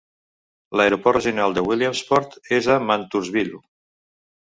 L'aeroport regional de Williamsport és a Montoursville.